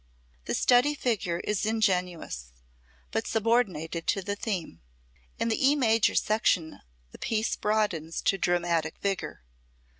The study figure is ingenious, but subordinated to the theme. In the E major section the piece broadens to dramatic vigor.